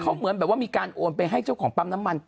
เขาเหมือนแบบว่ามีการโอนไปให้เจ้าของปั๊มน้ำมัน